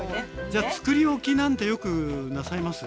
じゃ作り置きなんてよくなさいます？